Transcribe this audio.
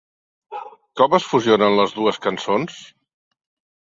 Com es fusionen les dues cançons?